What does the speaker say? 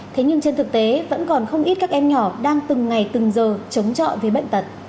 thế nhưng trên thực tế vẫn còn không ít các em nhỏ đang từng ngày từng giờ chống chọi với bệnh tật